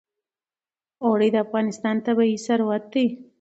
اوړي د افغانستان طبعي ثروت دی.